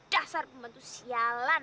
dasar pembantu sialan